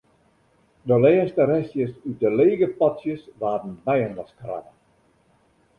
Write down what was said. De lêste restjes út de lege potsjes waarden byinoarskrabbe.